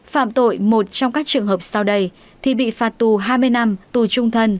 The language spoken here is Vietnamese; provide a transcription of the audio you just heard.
phạm tội một trong các trường hợp sau đây thì bị phạt tù hai mươi năm tù trung thân